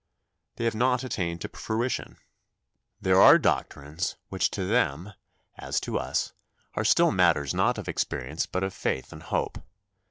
They have not attained to fruition. There are doctrines which to them, as to us, are still matters not of experience but of faith and hope.